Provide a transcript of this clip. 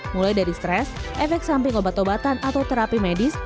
mulai dari stres efek samping obat obatan atau terapi medis